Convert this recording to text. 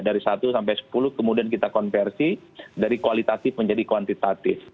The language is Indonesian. dari satu sampai sepuluh kemudian kita konversi dari kualitatif menjadi kuantitatif